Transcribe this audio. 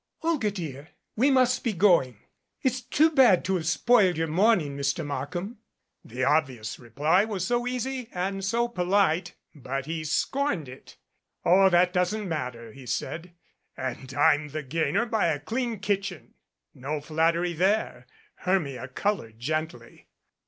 "Olga, dear, we must be going. It's too bad to have spoiled your morning, Mr. Markham." The obvious reply was so easy and so polite, but he scorned it. "Oh, that doesn't matter," he said, "and I'm the gainer by a clean kitchen." No flattery there. Hermia colored gently.